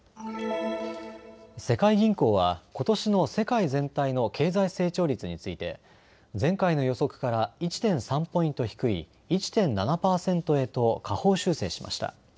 世界銀行はことしの世界全体の経済成長率について前回の予測から１．３ポイント低い１．７％へと下方修正しました。